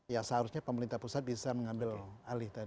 ya seharusnya pemerintah pusat bisa mengambil alih